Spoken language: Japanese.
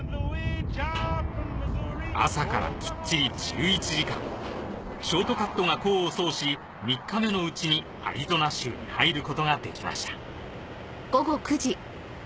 朝からきっちり１１時間ショートカットが功を奏し３日目のうちにアリゾナ州に入ることができました